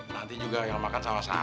nanti juga yang makan sama sama